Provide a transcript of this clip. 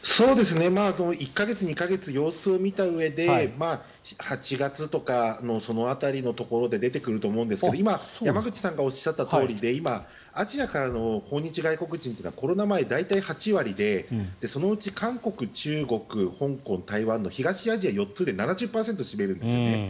１か月、２か月様子を見たうえで８月とかその辺りのところで出てくると思いますが今、山口さんがおっしゃったとおりでアジアからの訪日外国人ってコロナ前、だいたい８割でそのうち、韓国、中国香港、台湾の東アジア４つで７０％を占めるんですよね。